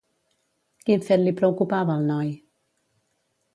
Quin fet li preocupava al noi?